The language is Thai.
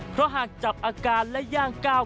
เพราะหากจับอาการและย่างก้าว